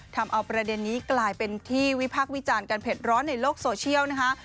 ทำเอาประเด็นนี้กลายเป็นที่วิพากษ์วิจารณ์กันเผ็ดร้อนในโลกโซเชียลนะคะ